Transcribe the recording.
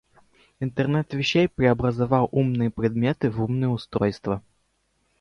Интернет вещей преобразовывал обычные предметы в умные устройства.